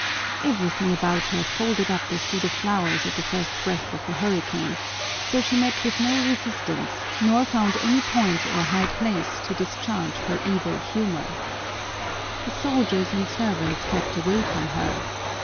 Everything about her folded up as do the flowers at the first breath of the hurricane, so she met with no resistance nor found any point or high place to discharge her evil humor. The soldiers and servants kept away from her.